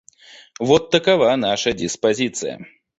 Вот такова наша диспозиция.